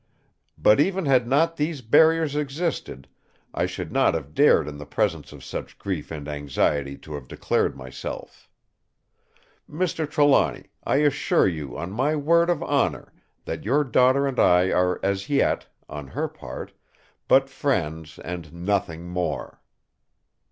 But even had not these barriers existed, I should not have dared in the presence of such grief and anxiety to have declared myself. Mr. Trelawny, I assure you on my word of honour that your daughter and I are as yet, on her part, but friends and nothing more!"